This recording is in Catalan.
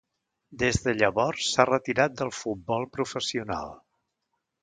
Des de llavors s'ha retirat del futbol professional.